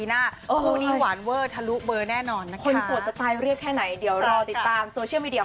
รักมากขึ้นไหมครับรับในหลาย